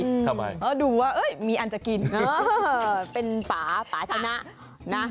เพราะดูว่าเอ้ยมีอันจะกินเป็นป่าป่าชนะ